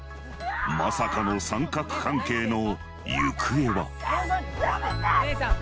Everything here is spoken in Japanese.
まさかの三角関係の行方は姐さん？